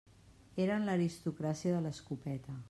Eren l'aristocràcia de l'escopeta.